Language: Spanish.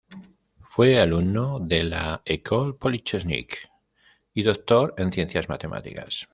Fue alumno de la École polytechnique y Doctor en Ciencias Matemáticas.